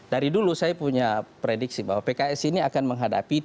dari dulu saya punya prediksi bahwa pks ini akan menghadapi